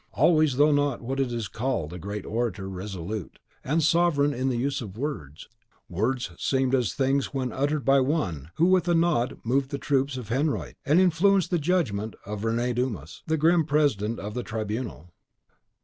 Always though not what is called a great orator resolute, and sovereign in the use of words; words seemed as things when uttered by one who with a nod moved the troops of Henriot, and influenced the judgment of Rene Dumas, grim President of the Tribunal.